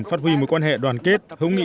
phát huy mối quan hệ đoàn kết hữu nghị